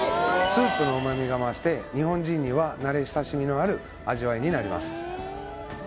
スープの旨味が増して日本人には慣れ親しみのある味わいになります